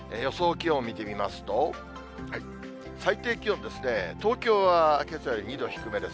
気温を見てみますと、最低気温ですね、東京はけさより２度低めです。